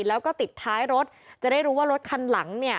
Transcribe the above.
แล้วก็ติดท้ายรถจะได้รู้ว่ารถคันหลังเนี่ย